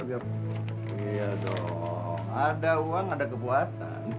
iya dong ada uang ada kepuasan